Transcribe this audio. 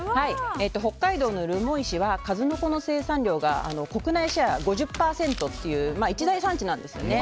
北海道の留萌市は数の子の生産量が国内シェア５０％という一大産地なんですよね。